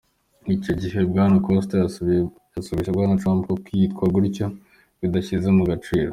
Icyo gihe, Bwana Acosta yasubije Bwana Trump ko kwitwa gutyo "bidashyize mu gaciro".